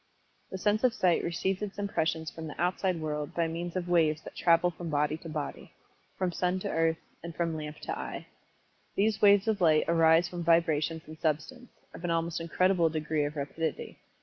The sense of Sight receives its impressions from the outside world by means of waves that travel from body to body from sun to earth, and from lamp to eye. These waves of light arise from vibrations in substance, of an almost incredible degree of rapidity.